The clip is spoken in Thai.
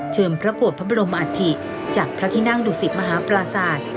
เชิงพระโกธิพระบรมอัฐษฐิจากพระทินั่งดุสิบมหาปราศาสตร์